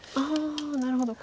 なるほど。